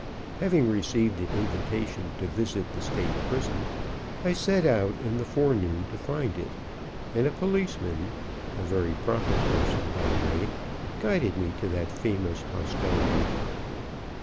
Having received an invitation to visit the State Prison, I set out in the forenoon to find it, and a policeman (a very proper person, by the way), guided me to that famous hostelry.